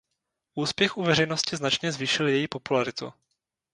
Úspěch u veřejnosti značně zvýšil její popularitu.